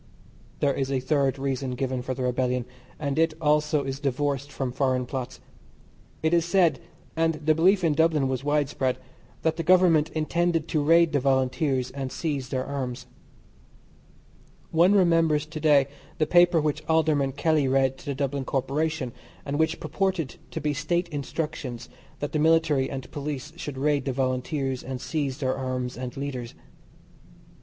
There is a third reason given for the rebellion, and it also is divorced from foreign plots. It is said, and the belief in Dublin was widespread, that the Government intended to raid the Volunteers and seize their arms. One remembers to day the paper which Alderman Kelly read to the Dublin Corporation, and which purported to be State Instructions that the Military and Police should raid the Volunteers, and seize their arms and leaders.